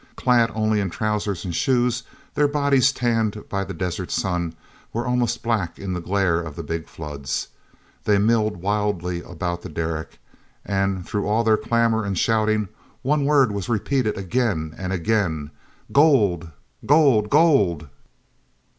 Clad only in trousers and shoes, their bodies, tanned by the desert sun, were almost black in the glare of the big floods. They milled wildly about the derrick; and, through all their clamor and shouting, one word was repeated again and again: "Gold! Gold! Gold!"